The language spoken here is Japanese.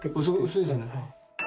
薄いですね。